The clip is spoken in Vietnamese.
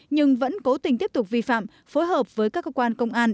nhưng vẫn cố tình tiếp tục vi phạm phối hợp với các cơ quan công an